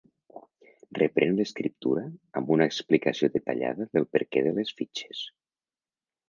Reprèn l'escriptura amb una explicació detallada del perquè de les fitxes.